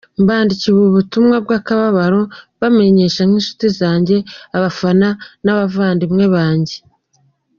Mbandikiye ubu butumwa bw’akababaro mbamenyesha nk’inshuti zanjye, abafana n’abavandimwe banjye.